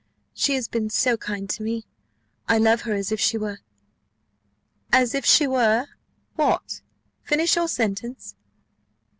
She has been so kind to me! I love her as if she were " "As if she were What? finish your sentence."